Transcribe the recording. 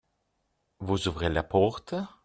Vous ouvrez la porte ?